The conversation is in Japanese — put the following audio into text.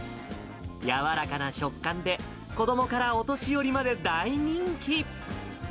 柔らかな食感で、子どもからお年寄りまで大人気。